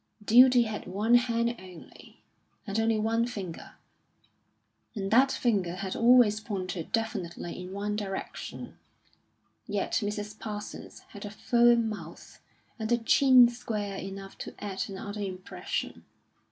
Duty had one hand only, and only one finger; and that finger had always pointed definitely in one direction. Yet Mrs. Parsons had a firm mouth, and a chin square enough to add another impression.